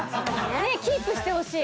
キープしてほしい。